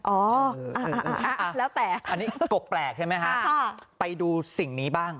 อ๋อแล้วแต่อันนี้กบแปลกใช่ไหมฮะไปดูสิ่งนี้บ้าง